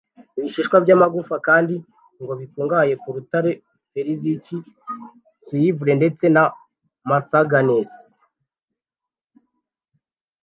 ibishishwa by’amagufa kandi ngo bikungahaye k’ubutare”Fer’ zinc’ Cuivre ndetse na Manganese